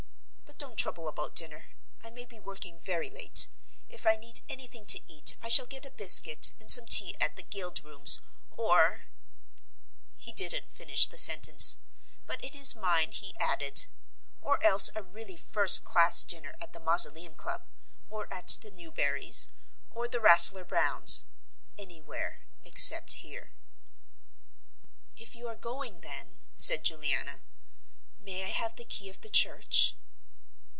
"But don't trouble about dinner. I may be working very late. If I need anything to eat I shall get a biscuit and some tea at the Guild Rooms, or " He didn't finish the sentence, but in his mind he added, "or else a really first class dinner at the Mausoleum Club, or at the Newberrys' or the Rasselyer Browns' anywhere except here." "If you are going, then," said Juliana, "may I have the key of the church."